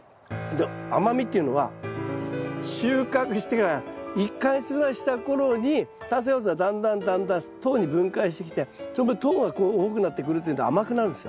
甘みっていうのは収穫してから１か月ぐらいした頃に炭水化物がだんだんだんだん糖に分解してきてその分糖が多くなってくるというんで甘くなるんですよ。